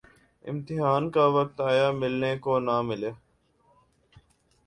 امتحان کا وقت آیا‘ ملنے کو نہ ملے۔